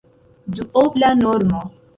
Duobla normo!